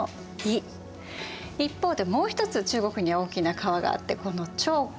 一方でもう一つ中国には大きな川があってこの長江。